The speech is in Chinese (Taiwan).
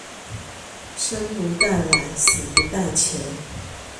生不帶來，死不帶錢